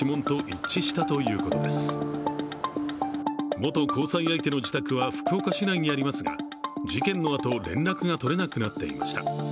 元交際相手の自宅は福岡市内にありますが、事件のあと、連絡が取れなくなっていました。